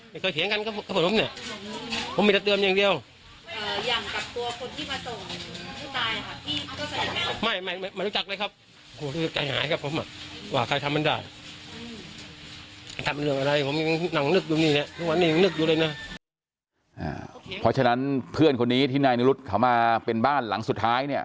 เป็นเรื่องอะไรผมยังหนังนึกอยู่นี่นะเพราะฉะนั้นเพื่อนคนนี้ที่นายนิรุตเขามาเป็นบ้านหลังสุดท้ายเนี่ย